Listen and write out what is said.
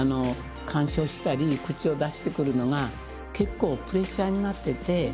干渉したり口を出してくるのが結構プレッシャーになってて。